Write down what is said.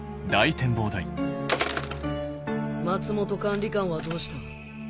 松本管理官はどうした？